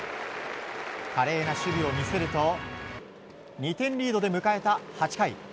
華麗な守備を見せると２点リードで迎えた８回。